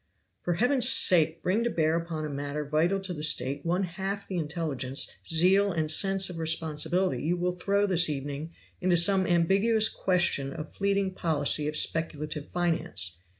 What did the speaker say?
"For Heaven's sake, bring to bear upon a matter vital to the State one half the intelligence, zeal and sense of responsibility you will throw this evening into some ambiguous question of fleeting policy of speculative finance.